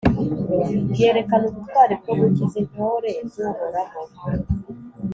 yerekana ubutwari bwo gukiza intore z’Uhoraho,